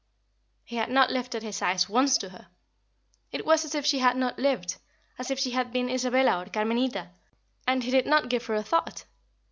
He had not lifted his eyes once to her. It was as if she had not lived as if she had been Isabella or Carmenita and he did not give her a thought.